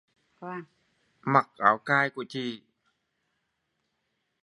Mặc áo cài của chị